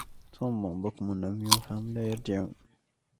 صم بكم عمي فهم لا يرجعون